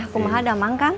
kamu maha damang kang